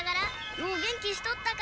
「よお元気しとったか」